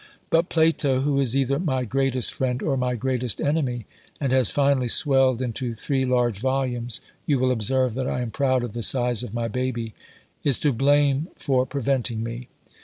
But Plato, who is either my greatest friend or my greatest enemy, and has finally swelled into three large volumes (you will observe that I am proud of the size of my baby), is to blame for preventing me.